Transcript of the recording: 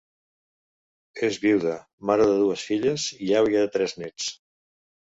És vídua, mare de dues filles i àvia de tres néts.